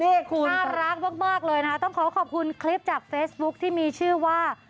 นี่คุณน่ารักมากเลยนะคะต้องขอขอบคุณคลิปจากเฟซบุ๊คที่มีชื่อว่า